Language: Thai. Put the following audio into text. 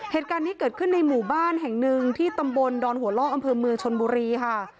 เหตุการณ์นี้เกิดขึ้นในหมู่บ้านแห่งหนึ่งที่ตำบลดอนหัวล่ออำเภอเมืองชนบุรีค่ะ